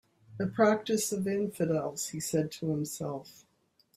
"A practice of infidels," he said to himself.